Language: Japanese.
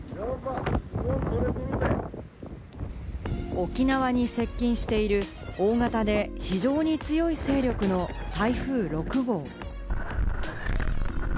沖縄に接近している大型で非常に強い勢力の台風６号。